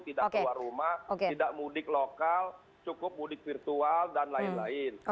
tidak keluar rumah tidak mudik lokal cukup mudik virtual dan lain lain